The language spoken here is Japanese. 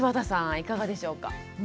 いかがでしょうか？